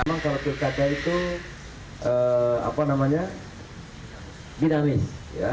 memang kalau kata itu apa namanya dinamis